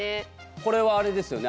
これはあれですよね